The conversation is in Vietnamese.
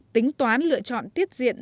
tính toán lựa chọn tiết diện